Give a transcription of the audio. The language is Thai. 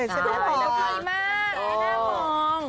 ก็ดีมากน่างมอง